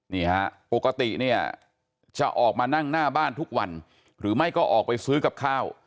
นี่ฮะปกติเนี่ยจะออกมานั่งหน้าบ้านทุกวันหรือไม่ก็ออกไปซื้อกับข้าว